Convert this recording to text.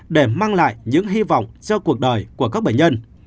để mang lại những hy vọng cho cuộc đời của các bệnh nhân